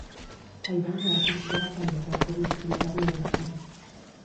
Taiwan era considerata allora la provincia più moderna della Cina.